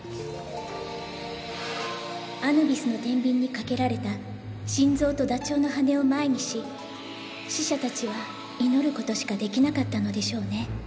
「アヌビスの天秤にかけられた心臓とダチョウの羽根を前にし死者たちは祈る事しかできなかったのでしょうね。